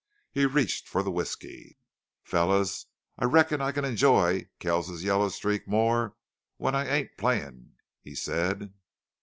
He reached for the whisky. "Fellers, I reckon I can enjoy Kells's yellow streak more when I ain't playin'," he said.